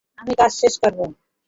আমি কাজ শেষ করব।